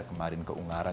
kemarin ke ungaran